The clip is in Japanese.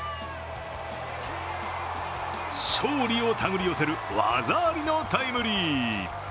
勝利を手繰り寄せる技ありのタイムリー。